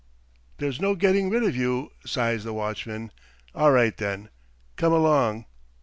"There's no getting rid of you," sighs the watchman. "All right then, come along."